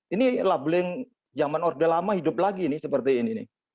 ini labeling zaman orde lama hidup lagi ini seperti ini nih